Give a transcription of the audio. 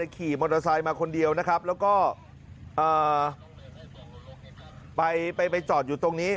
ขี่มอเตอร์ไซค์มาคนเดียวนะครับแล้วก็ไปจอดอยู่ตรงนี้